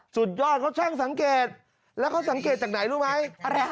สุดยอดเขาช่างสังเกตแล้วเขาสังเกตจากไหนรู้ไหมอะไร